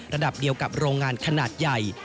ระดับเดียวกับโรงงานขนาดใหญ่